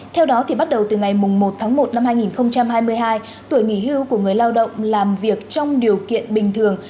theo đó bắt đầu từ ngày một tháng một năm hai nghìn hai mươi hai tuổi nghỉ hưu của người lao động làm việc trong điều kiện bình thường